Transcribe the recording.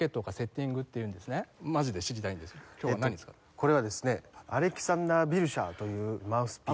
これはですねアレキサンダー・ヴィルシャーというマウスピース。